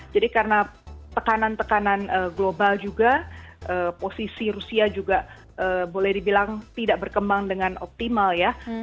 jadi karena tekanan tekanan global juga posisi rusia juga boleh dibilang tidak berkembang dengan optimal ya paska perang dihin